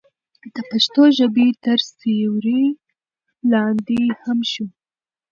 د پښتو ژبې تر سیوري لاندې یو شو.